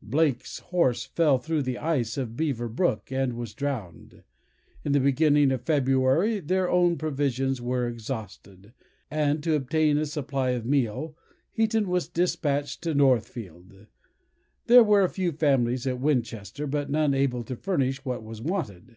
Blake's horse fell through the ice of Beaver brook, and was drowned. In the beginning of February their own provisions were exhausted, and, to obtain a supply of meal, Heaton was despatched to Northfield. There were a few families at Winchester, but none able to furnish what was wanted.